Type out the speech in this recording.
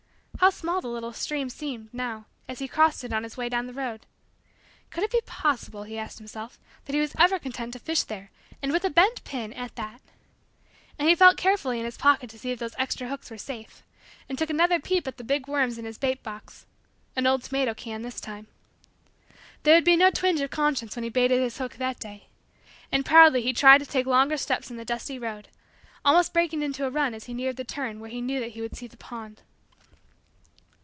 How small the little stream seemed, now, as he crossed it on his way down the road! Could it be possible, he asked himself, that he was ever content to fish there, and with a bent pin, at that? And he felt carefully in his pocket to see if those extra hooks were safe; and took another peep at the big worms in his bait box an old tomato can this time. There would be no twinge of conscience when he baited his hook that day. And proudly he tried to take longer steps in the dusty road; almost breaking into a run as he neared the turn where he knew that he would see the pond.